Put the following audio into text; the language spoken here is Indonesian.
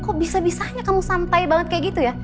kok bisa bisanya kamu santai banget kayak gitu ya